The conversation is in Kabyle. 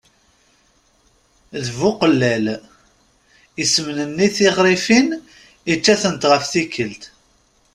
D bu uqlal. Isemnenni tiɣrifin, icca-tent ɣef tikkelt.